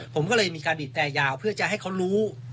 ผมก็เลยมีการบีบแต่ยาวเพื่อจะให้เขารู้